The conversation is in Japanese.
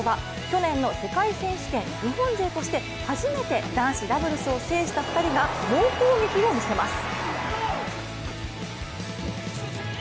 去年の世界選手権、日本勢として初めて男子ダブルスを制した２人が猛攻撃を見せます。